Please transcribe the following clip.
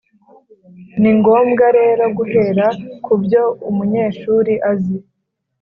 ni ngombwa rero guhera ku byo umunyeshuri azi